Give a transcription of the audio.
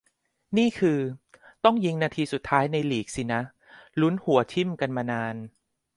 นี่คือ ต้องยิงนาทีสุดท้ายในลีกสินะ ลุ้นหัวทิ่มกันมานาน